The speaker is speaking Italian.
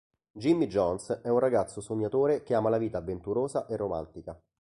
Jimmie Jones è un ragazzo sognatore che ama la vita avventurosa e romantica.